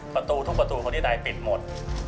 ประตูทุกประตูคนที่ใดปิดหมด